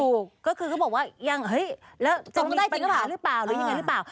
ถูกก็คือเขาบอกว่ายังเฮ้ยแล้วจงได้จริงหรือเปล่าหรือยังไงหรือเปล่า